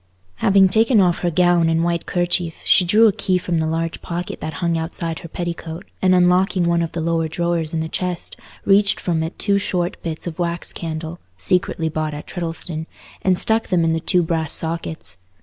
Having taken off her gown and white kerchief, she drew a key from the large pocket that hung outside her petticoat, and, unlocking one of the lower drawers in the chest, reached from it two short bits of wax candle—secretly bought at Treddleston—and stuck them in the two brass sockets.